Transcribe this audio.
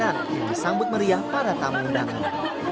yang disambut meriah para tamu undangan